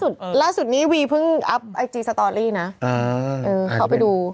ล่าสุดนี้วีเพิ่งอัพไอจีสตอรี่นะเออเขาไปดู